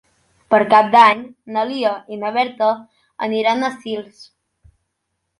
Per Cap d'Any na Lia i na Berta aniran a Sils.